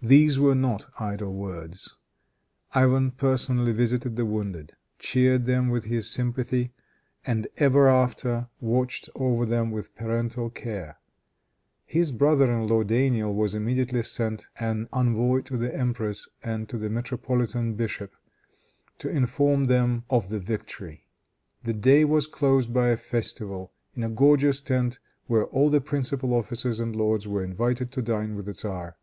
These were not idle words. Ivan personally visited the wounded, cheered them with his sympathy, and ever after watched over them with parental care. His brother in law, Daniel, was immediately sent an envoy to the empress and to the metropolitan bishop, to inform them of the victory. The day was closed by a festival, in a gorgeous tent, where all the principal officers and lords were invited to dine with the tzar.